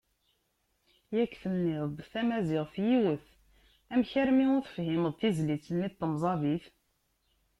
Yak tenniḍ-d tamaziɣt yiwet, amek armi ur tefhimeḍ tizlit-nni s temẓabit?